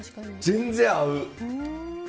全然合う！